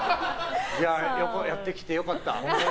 やってきて良かった。